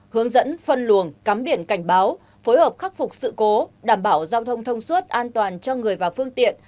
hướng dẫn phân luồng cắm biển cảnh báo phối hợp khắc phục sự cố đảm bảo giao thông thông suốt an toàn cho người và phương tiện